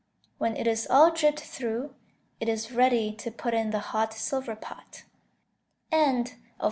When it is all dripped through, it is ready to put in the hot silver pot. PART II.